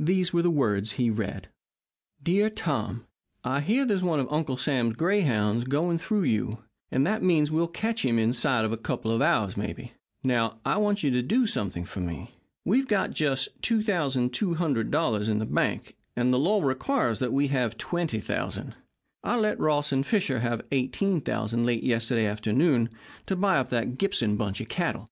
These were the words he read: DEAR TOM: I hear there's one of Uncle Sam's grayhounds going through you, and that means that we'll catch him inside of a couple of hours, maybe. Now, I want you to do something for me. We've got just $2,200 in the bank, and the law requires that we have $20,000. I let Ross and Fisher have $18,000 late yesterday afternoon to buy up that Gibson bunch of cattle.